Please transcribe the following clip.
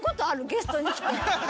ゲストに来て。